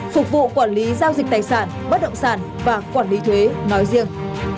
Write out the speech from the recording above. phục vụ quản lý giao dịch tài sản bất động sản và quản lý thuế nói riêng